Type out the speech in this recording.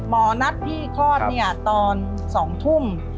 หมอนัดพี่คลอดเนี่ยตอน๒ทุ่ม